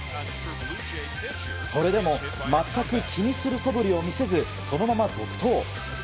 それでも全く気にするそぶりを見せずそのまま続投。